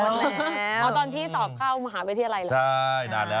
หมดแล้วตอนที่สอบเข้ามหาวิทยาลัยหรือ